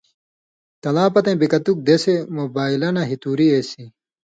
تَلاں پَتَیں بےکتُک دېسے مُوبائلہ نَہ ہی تُوری ایسیۡ،